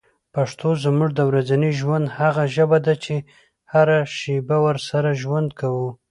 پښتو زموږ د ورځني ژوند هغه ژبه ده چي هره شېبه ورسره ژوند کوو.